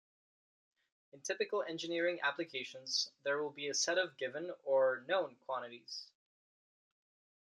In typical engineering applications, there will be a set of given or known quantities.